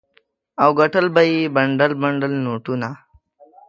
او ګټل به یې بنډل بنډل نوټونه.